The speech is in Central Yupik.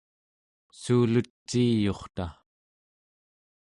suuluciiyurta